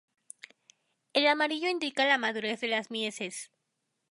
El amarillo indica la madurez de las mieses.